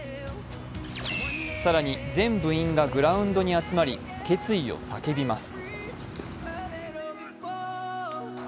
更に全部員がグラウンドに集まり決意を叫びます。